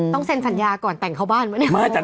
ต้องเซนสัญญาก่อนแต่งเขาบ้านป่าวไหม